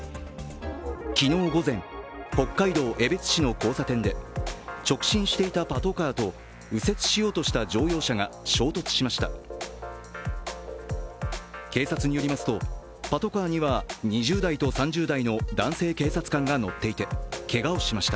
昨日午前、北海道江別市の交差点で直進していたパトカーと右折しようとした乗用車が衝突しました。